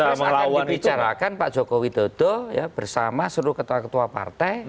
jadi cawapres akan dibicarakan pak jokowi dodo ya bersama seluruh ketua ketua pan